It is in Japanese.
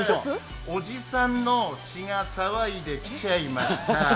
おじさんの血が騒いできちゃいました。